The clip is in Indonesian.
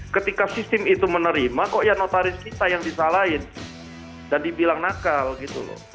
ketika sistem itu menerima kok ya notaris kita yang disalahin dan dibilang nakal gitu loh